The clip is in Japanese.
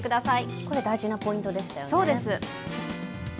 これ大事なポイントでしたよね。